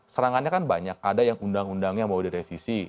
serangannya kan banyak ada yang undang undangnya mau direvisi